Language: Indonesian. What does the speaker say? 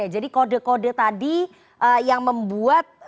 jadi kode kode tadi yang membuat